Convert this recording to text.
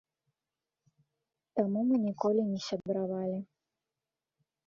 Таму мы ніколі не сябравалі.